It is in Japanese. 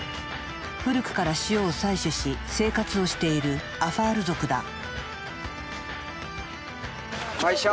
古くから塩を採取し生活をしているアファール族だ。